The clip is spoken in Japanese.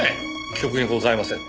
記憶にございません。